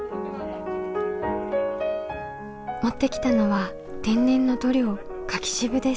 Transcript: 持ってきたのは天然の塗料柿渋です。